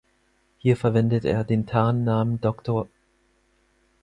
Hier verwendete er den Tarnnamen „Dr.